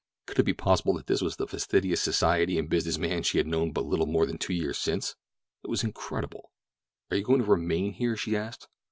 Could it be possible that this was the fastidious society and business man she had known but little more than two years since? It was incredible. "Are you going to remain here?" she asked.